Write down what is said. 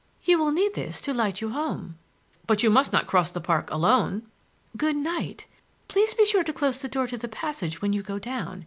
You will need this to light you home." "But you must not cross the park alone!" "Good night! Please be sure to close the door to the passage when you go down.